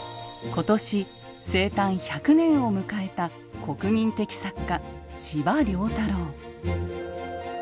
今年生誕１００年を迎えた国民的作家司馬太郎。